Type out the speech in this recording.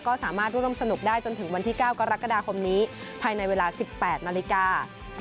ก็สามารถร่วมสนุกได้จนถึงวันที่๙กรกฎาคมนี้ภายในเวลา๑๘นาฬิกา